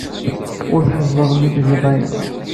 Ur tḥezzbeḍ mi tgiḍ aya.